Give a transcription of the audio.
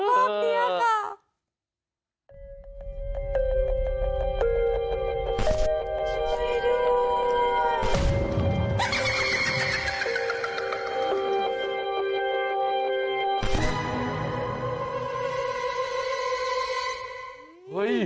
ช่วยด้วย